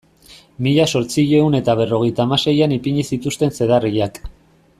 Mila zortziehun eta berrogeita hamaseian ipini zituzten zedarriak.